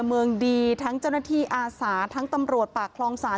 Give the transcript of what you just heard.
เมืองดีทั้งเจ้าหน้าที่อาสาทั้งตำรวจปากคลองศาล